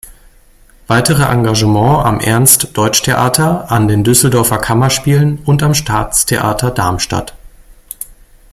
Weitere Engagement am Ernst-Deutsch-Theater, an den Düsseldorfer Kammerspielen und am Staatstheater Darmstadt.